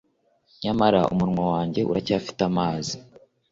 Nyamara umunwa wanjye uracyafite amazi